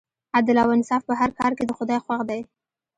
عدل او انصاف په هر کار کې د خدای خوښ دی.